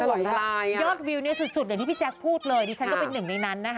ยอดวิวเนี่ยสุดอย่างที่พี่แจ๊คพูดเลยดิฉันก็เป็นหนึ่งในนั้นนะคะ